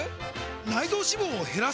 内臓脂肪を減らす！？